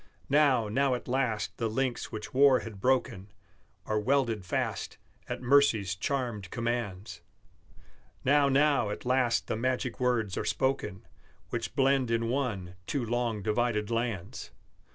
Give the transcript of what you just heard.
Now, now at last the links which war had broken Are welded fast, at mercy's charmed commands; Now, now at last the magic words are spoken Which blend in one two long divided lands!